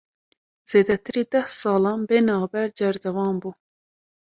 Zêdetirî deh salan, bê navber cerdevan bû